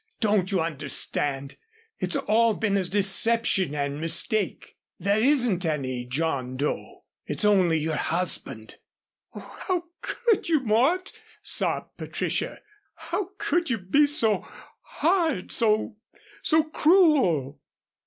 "Don't you understand? It's all been a deception and mistake. There isn't any John Doe. It's only your husband " "Oh, how could you, Mort?" sobbed Patricia. "How could you be so hard so so cruel?"